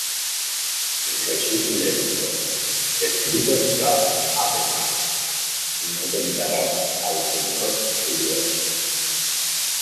Jesús le dijo: Escrito está además: No tentarás al Señor tu Dios.